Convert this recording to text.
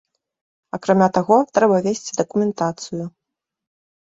Акрамя таго, трэба весці дакументацыю.